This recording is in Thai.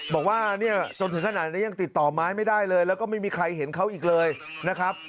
บอกว่าเนี่ยจนถึงขนาดนี้ยังติดต่อไม้ไม่ได้เลยแล้วก็ไม่มีใครเห็นเขาอีกเลยนะครับ